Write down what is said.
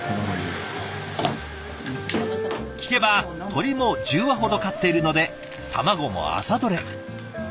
聞けば鶏も１０羽ほど飼っているので卵も朝どれ。